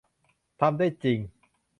ทำได้จริง